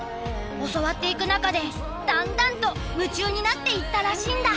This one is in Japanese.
教わっていく中でだんだんと夢中になっていったらしいんだ。